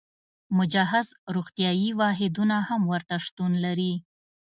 مجهز روغتیايي واحدونه هم ورته شتون لري.